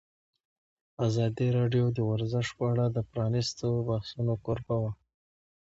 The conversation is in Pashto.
ازادي راډیو د ورزش په اړه د پرانیستو بحثونو کوربه وه.